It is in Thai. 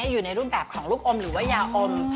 อยู่ในรูปแบบของลูกอมหรือว่ายาอม